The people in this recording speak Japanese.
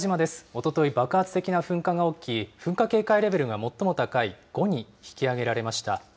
おととい、爆発的な噴火が起き、噴火警戒レベルが最も高い５に引き上げられました。